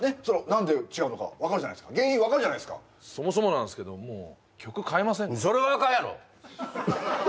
その何で違うのか分かるじゃないですか原因分かるじゃないですかそもそもなんすけどもう曲変えませんか？